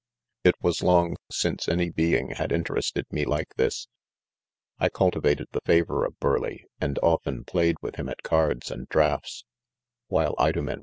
THE F1EESIDE, 15 it was long since any being had laterested me like this ; I cultivated the favor of Burleigh, and often played with him at cards and draughts while Idomeis.